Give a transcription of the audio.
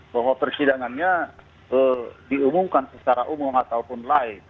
bahwa persidangannya diumumkan secara umum ataupun live